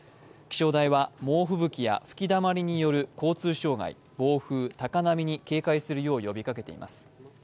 気象台は猛吹雪や吹きだまりによる交通障害暴風、高波に警戒するよう呼びかけています。